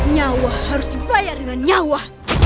nyawa harus dibayar dengan nyawa